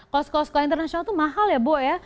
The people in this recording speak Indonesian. kalau sekolah sekolah internasional tuh mahal ya bo ya